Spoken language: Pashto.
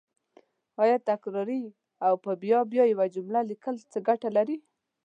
آیا تکراري او په بیا بیا یوه جمله لیکل څه ګټه لري